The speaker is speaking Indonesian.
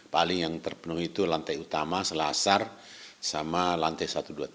paling yang terpenuhi itu lantai utama selasar sama lantai satu dua tiga